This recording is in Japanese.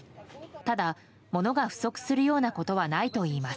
ただ、物が不足するようなことはないといいます。